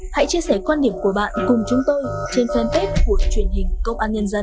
hãy chia sẻ quan điểm của bạn cùng chúng tôi trên fanpage của truyền hình công an nhân dân